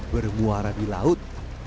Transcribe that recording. bermuara di laut